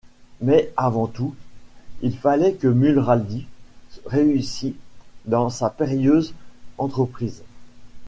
Mais, avant tout, il fallait que Mulrady réussît dans sa périlleuse entreprise.